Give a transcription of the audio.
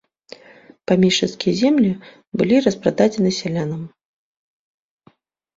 Памешчыцкія землі былі распрададзены сялянам.